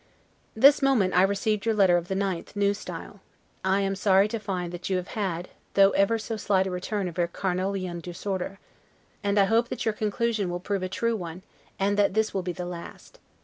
This moment I receive your letter of the 9th N. S. I am sorry to find that you have had, though ever so slight a return of your Carniolan disorder; and I hope your conclusion will prove a true one, and that this will be the last.